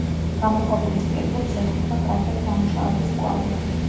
გამოქვაბულის კედლებს ეტყობა კარგად დამუშავების კვალი.